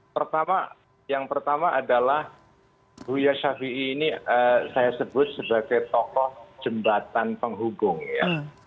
pertama yang pertama adalah buya syafiee ini saya sebut sebagai tokoh jembatan penghubung ya